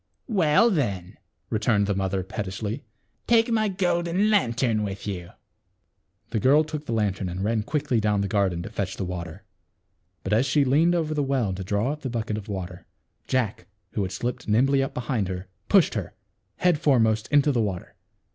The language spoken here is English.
" Well, then," returned the mother pettishly, "take my golden lantern with you." The girl took the lantern and ran quickly down the gar den to fetch the water. But as she leaned over the well to draw up the bucket of water, Jack, who had slipped nimbly up behind her, pushed her, head foremost, into the water.